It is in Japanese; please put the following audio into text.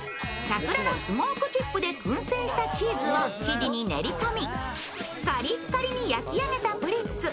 さくらのスモークチップでくん製したチーズを生地に練り込みカリカリに焼き上げたプリッツ。